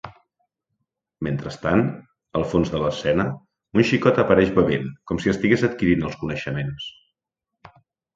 Mentrestant, al fons de l'escena, un xicot apareix bevent, com si estigués adquirint els coneixements.